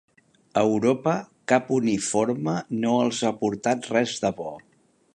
Europa cap uniforme no els ha portat res de bo.